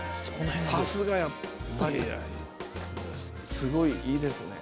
さすが、やっぱりすごいいいですね。